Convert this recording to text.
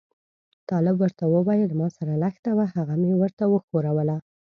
طالب ورته وویل ما سره لښته وه هغه مې ورته وښوروله.